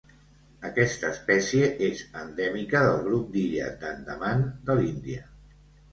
Aquesta espècie és endèmica del grup d'illes d'Andaman de l'Índia.